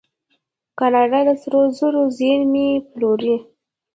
کاناډا د سرو زرو زیرمې پلورلي.